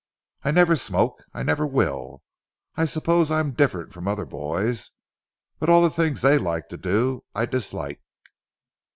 "I never smoke, I never will. I suppose I am different from other boys, but all the things they like to do I dislike."